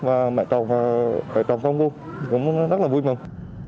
và mẹ trồng mẹ trồng con cua cũng rất là vui mừng